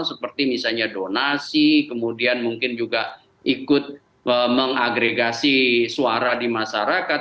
seperti misalnya donasi kemudian mungkin juga ikut mengagregasi suara di masyarakat